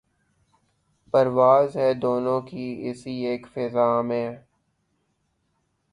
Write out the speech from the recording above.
پرواز ہے دونوں کی اسی ایک فضا میں